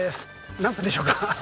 何分でしょうか？